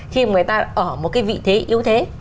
khi người ta ở một cái vị thế yếu thế